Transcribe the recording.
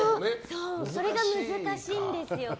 それが難しいんですよ。